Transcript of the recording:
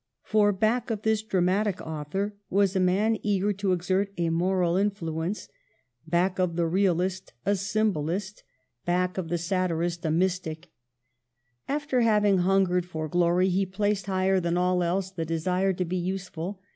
For back of this dramatic au thor was a man eager to exert a moral influence, back of the realist a symbolist, back of the satir THE LAST DAYS 209 ist a mystic. After having hungered for glory he placed higher than all else the desire to be useful.